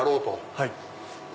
はい。